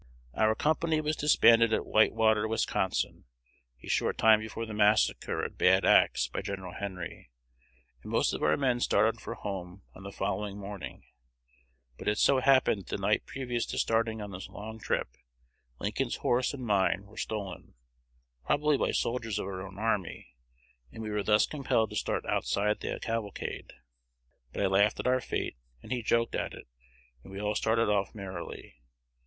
"Our company was disbanded at Whitewater, Wis., a short time before the massacre at Bad Axe by Gen. Henry; and most of our men started for home on the following morning; but it so happened that the night previous to starting on this long trip, Lincoln's horse and mine were stolen, probably by soldiers of our own army, and we were thus compelled to start outside the cavalcade; but I laughed at our fate, and he joked at it, and we all started off merrily.